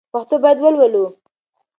پښتو باید ولولو